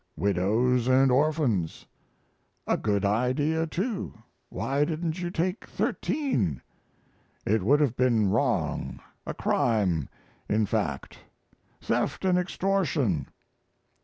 "Widows and orphans." "A good idea, too. Why didn't you take thirteen?" "It would have been wrong; a crime, in fact theft and extortion."